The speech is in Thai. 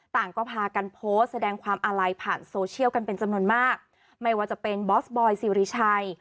ต่างก็พากันโพสต์แสดงความอาลัยผ่านโซเชียลกันเป็นจำนวนมากไม่ว่าจะเป็นบอสบอยสิริชัย